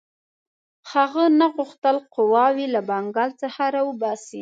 هغه نه غوښتل قواوې له بنګال څخه را وباسي.